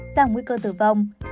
giảng nguy cơ tử vong